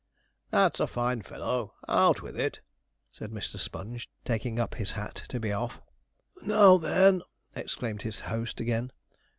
'That's a fine fellow, out with it!' said Mr. Sponge, taking up his hat to be off. 'Now, then!' exclaimed his host again.